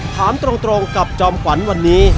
ถามตรงกับจอมขวัญวันนี้